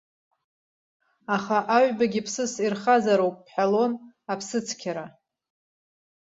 Аха аҩбагьы ԥсыс ирхазароуп бҳәалон аԥсыцқьара.